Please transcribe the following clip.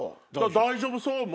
「大丈夫そ？」も。